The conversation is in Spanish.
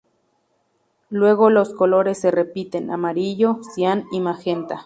Luego los colores se repiten: amarillo, cian y magenta.